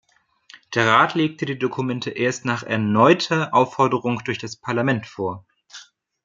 Der Rat legte die Dokumente erst nach erneuter Aufforderung durch das Parlament vor.